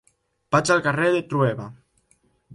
Vaig al carrer de Trueba.